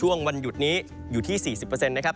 ช่วงวันหยุดนี้อยู่ที่๔๐เปอร์เซ็นต์นะครับ